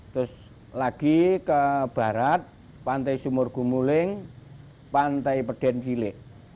terus lagi ke barat pantai sumur gumuling pantai pedengile